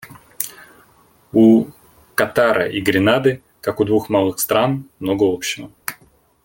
У Катара и Гренады как у двух малых стран много общего.